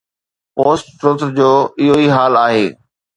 Post-Truth جو اهو ئي حال آهي.